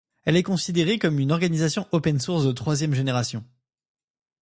Elle est considérée comme une organisation Open Source de troisième génération.